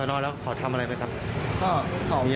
อะไรประมาณนี้